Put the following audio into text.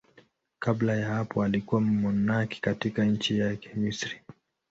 Kabla ya hapo alikuwa mmonaki katika nchi yake, Misri.